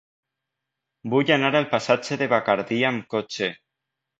Vull anar al passatge de Bacardí amb cotxe.